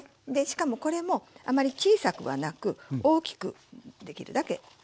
しかもこれもあまり小さくはなく大きくできるだけ。